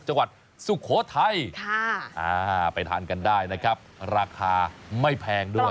จังหวัดสุโขทัยค่ะอ่าไปทานกันได้นะครับราคาไม่แพงด้วย